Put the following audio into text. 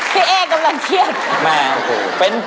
พี่แอกพี่แอกกำลังเครียด